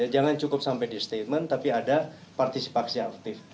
jangan cukup sampai di statement tapi ada partisipasi aktif